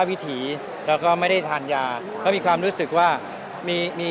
aku rasa ada orang yang mengatakan kamu harus menembak orang ini mereka seperti ada orang lain